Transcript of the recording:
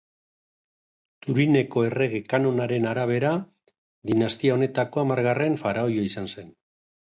Turineko Errege Kanonaren arabera, dinastia honetako hamargarren faraoia izan zen.